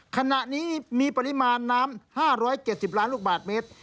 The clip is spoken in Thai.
ขณะนี้มีปริมาณน้ำ๕๗๐ล้านลูกบาทเมตร